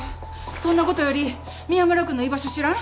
そんなことより宮村君の居場所知らん？